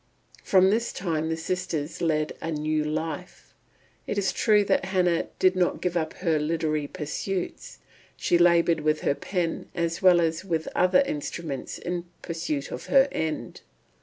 From this time the sisters led a new life. It is true that Hannah did not give up her literary pursuits; she laboured with her pen as well as with other instruments in pursuit of her end.